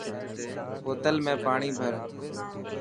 بوتل ۾ پاڻي ڀر.